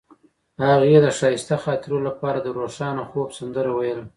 هغې د ښایسته خاطرو لپاره د روښانه خوب سندره ویله.